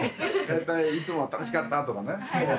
大体いつもは「楽しかった」とかね